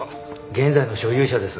現在の所有者です。